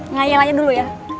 ngayel aja dulu ya